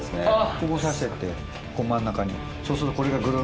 ここ刺してって真ん中にそうすると。